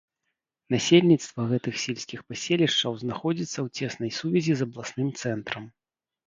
Насельніцтва гэтых сельскіх паселішчаў знаходзіцца ў цеснай сувязі з абласным цэнтрам.